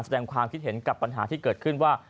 แสดงความคิดเห็นกับปัญหาที่เกิดขึ้นว่า